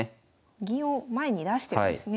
銀を前に出してるんですね。